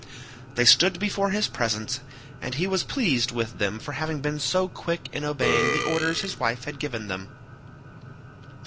They stood before his presence, and he was pleased with them for having been so quick in obeying the orders his wife had given them.